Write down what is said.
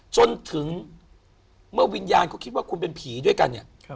จนถึงเมื่อวิญญาณเขาคิดว่าคุณเป็นผีด้วยกันเนี่ย